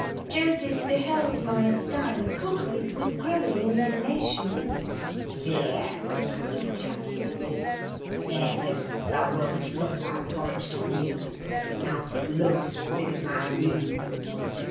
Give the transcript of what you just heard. Joseph beheld my style of cookery with growing indignation. "Thear!" he ejaculated. "Hareton, thou willn't sup thy porridge to neeght; they'll be naught but lumps as big as my neive.